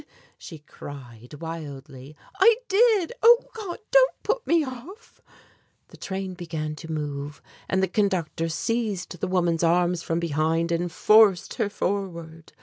she cried wildly; "I did. Oh, God! don't put me off." The train began to move, and the conductor seized the woman's arms from behind and forced her forward.